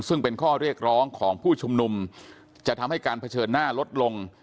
ซึ่งเป็นข้อเรียกร้องของผู้ชุมนุมจะทำให้การเผชิญหน้าลดลง